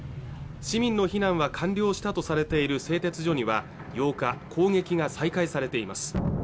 市民の避難は完了したとされている製鉄所には８日攻撃が再開されています